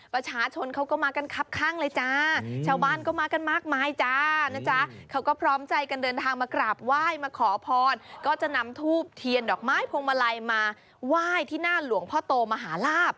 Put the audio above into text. ประชาชนเขาก็มากันครับข้างเลยจ้า